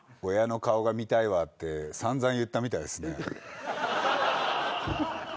「親の顔が見たいわ」って散々言ったみたいっすね。